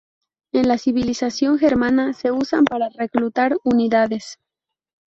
En la civilización germana, se usan para reclutar unidades.